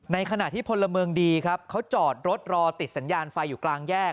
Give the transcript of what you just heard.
ขณะที่พลเมืองดีครับเขาจอดรถรอติดสัญญาณไฟอยู่กลางแยก